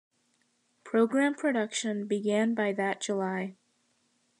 Program production began by that July.